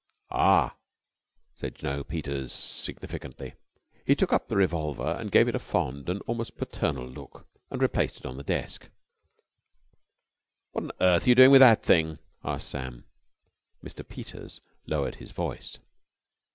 "Ah!" said Jno. Peters, significantly. He took up the revolver, gave it a fond and almost paternal look, and replaced it on the desk. "What on earth are you doing with that thing?" asked Sam. Mr. Peters lowered his voice.